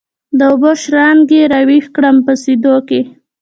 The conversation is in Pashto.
د اوبو شرنګي راویښ کړمه سپېدو کښي